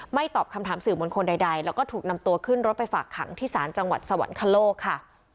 ตอบคำถามสื่อมวลชนใดแล้วก็ถูกนำตัวขึ้นรถไปฝากขังที่ศาลจังหวัดสวรรคโลกค่ะ